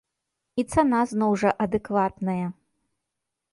І цана зноў жа адэкватная.